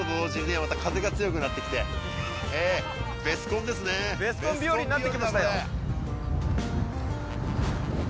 また風が強くなってきてええベスコンですねベスコン日和になってきましたよ